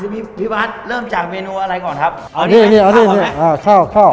พี่พัฒน์เริ่มจากเมนูอะไรก่อนครับเอานี่เอานี่อ่ะข้าวข้าว